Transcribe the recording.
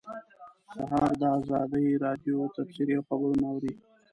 سهار د ازادۍ راډیو تبصرې او خبرونه اوري.